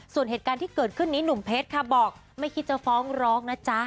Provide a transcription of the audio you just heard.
ส่วนเหตุการณ์ที่เกิดขึ้นนี้หนุ่มเพชรค่ะบอกไม่คิดจะฟ้องร้องนะจ๊ะ